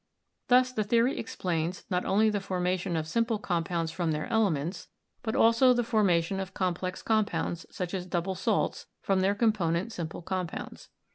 Thus the theory explains not only the formation of sim ple compounds from their elements, but also the forma ELECTRO CHEMISTRY 251 tion of complex compounds, such as double salts, from their component simple compounds.